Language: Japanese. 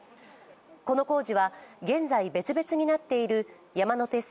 この工事は現在別々になっている山手線